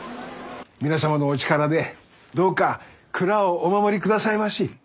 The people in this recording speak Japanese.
皆様のお力でどうか蔵をお守りくださいまし。